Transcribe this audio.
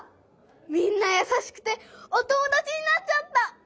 みんなやさしくてお友だちになっちゃった！